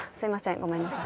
ごめんなさい。